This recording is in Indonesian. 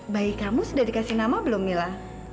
bayi kamu sudah dikasih nama belum mila